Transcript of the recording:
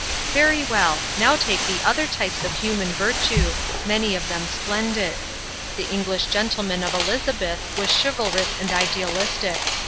Very well, now take the other types of human virtue; many of them splendid. The English gentleman of Elizabeth was chivalrous and idealistic.